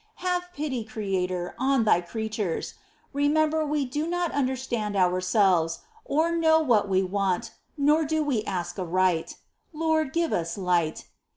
Have pity, Creator, on Thy creatures ! Remember, we do not understand ourselves, or know what we want, nor do we ask aright ! Lord, give us light